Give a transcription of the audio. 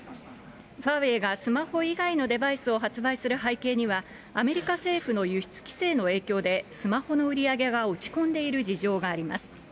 ファーウェイがスマホ以外のデバイスを発売する背景には、アメリカ政府の輸出規制の影響で、スマホの売り上げが落ち込んでいる事情があります。